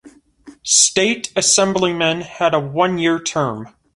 State Assemblymen had a one-year term.